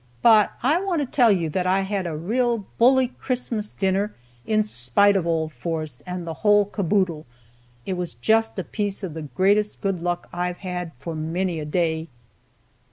"But I want to tell you that I had a real bully Christmas dinner, in spite of old Forrest and the whole caboodle. It was just a piece of the greatest good luck I've had for many a day.